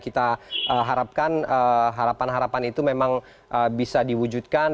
kita harapkan harapan harapan itu memang bisa diwujudkan